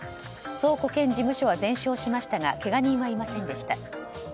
倉庫兼事務所は全焼しましたがけが人はいませんでした。